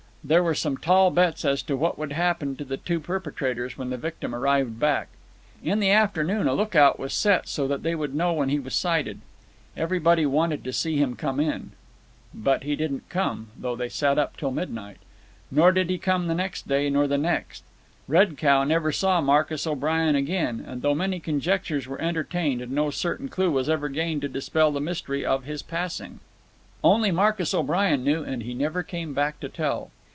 There were some tall bets as to what would happen to the two perpetrators when the victim arrived back. In the afternoon a lookout was set, so that they would know when he was sighted. Everybody wanted to see him come in. But he didn't come, though they sat up till midnight. Nor did he come next day, nor the next. Red Cow never saw Marcus O'Brien again, and though many conjectures were entertained, no certain clue was ever gained to dispel the mystery of his passing. Only Marcus O'Brien knew, and he never came back to tell.